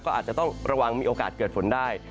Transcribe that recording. ก็อาจจะต้องระวังมีโอกาสเกิดฝนได้